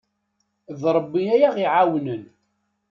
D Ṛebbi ay aɣ-iɛawnen.